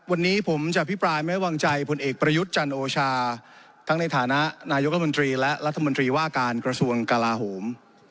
วันนี้ผมจะอภิปรายไม่วางใจผลเอกประยุทธ์จันโอชาทั้งในฐานะนายกรรมนตรีและรัฐมนตรีว่าการกระทรวงกลาโหม